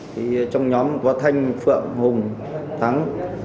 trong nhóm văn thanh phượng hùng thắng